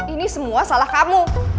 ini semua salah kamu